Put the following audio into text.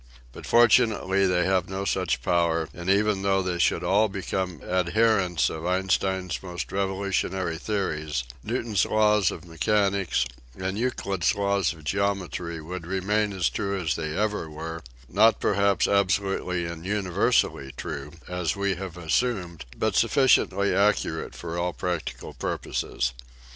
But fortimately they have no such power and even though they should all become adherents of Einstein's most revolutionary theories, Newton's laws of mechanics and Euclid's laws of geometry would remain as true as they ever were, not perhaps absolutely and universally true, as we have assumed, but suffi ciently accurate for all practical purposes.